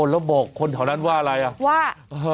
แล้วบอกคนแถวนั้นว่าอะไรอ่ะว่า